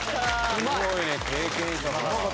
すごいね経験者から。